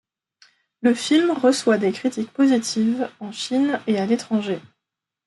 Le film reçoit des critiques positives en Chine et à l'étranger.